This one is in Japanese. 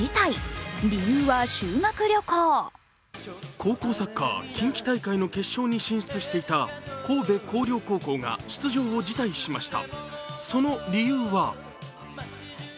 高校サッカー近畿大会の決勝に進出していた神戸弘陵高校が出場を辞退しました。